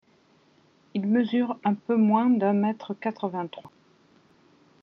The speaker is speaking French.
Il mesure un peu moins d'un mètre quatre vingt trois.